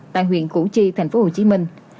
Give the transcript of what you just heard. tại huyện củ chi thành phố hồ chí minh